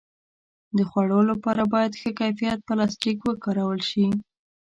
د خوړو لپاره باید ښه کیفیت پلاستيک وکارول شي.